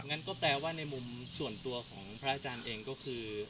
งั้นก็แปลว่าในมุมส่วนตัวของพระอาจารย์เองก็คือ